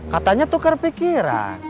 katanya tukar pikiran